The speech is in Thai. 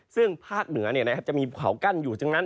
ซึ่งภาคเหนือจะมีเผากั้นอยู่จังนั้น